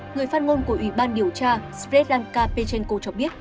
người phát ngôn của ủy ban điều tra svetlanka pechenko cho biết